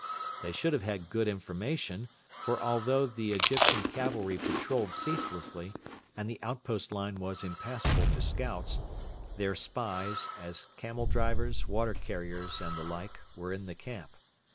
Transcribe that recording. They should have had good information, for although the Egyptian cavalry patrolled ceaselessly, and the outpost line was impassable to scouts, their spies, as camel drivers, water carriers, and the like, were in the camp.